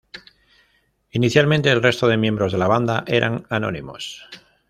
Inicialmente, el resto de miembros de la banda eran anónimos.